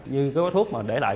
như cái hút thuốc mà để lại